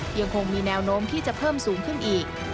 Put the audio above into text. ยังคงมีแนวโน้มที่จะเพิ่มสูงขึ้นอีก